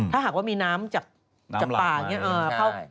ถ้าหากว่ามีน้ำจากป่าอย่างนี้